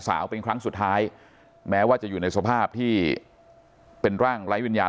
เป็นครั้งสุดท้ายแม้ว่าจะอยู่ในสภาพที่เป็นร่างไร้วิญญาณ